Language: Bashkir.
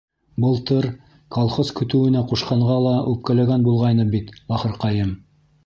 Былтыр колхоз көтөүенә ҡушҡанға ла үпкәләгән булғайны бит бахырҡайым!..